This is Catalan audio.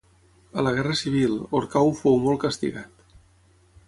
A la Guerra Civil, Orcau fou molt castigat.